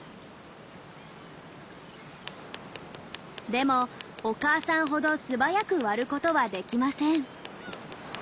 でもお母さんほど素早く割ることはできません。